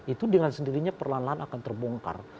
itu dengan sendirinya perlahan lahan akan terbongkar